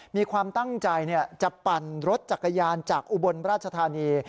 มีความตั้งใจจะปั่นรถจักรยานจากอุบลราชธานี